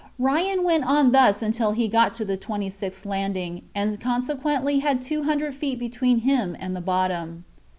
Jack Ryan went on thus until he got to the twenty sixth landing, and consequently had two hundred feet between him and the bottom.